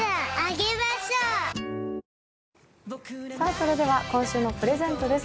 それでは今週のプレゼントです。